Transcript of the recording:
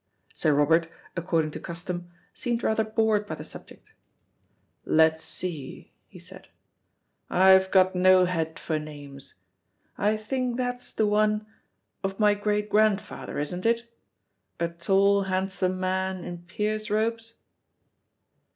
Sir Robert, according to custom, seemed rather bored by the subject. "Let's see," he said; "I've got no head for names. I think that's the one, of my great grandfather, isn't it? A tall, handsome man in peer's robes?"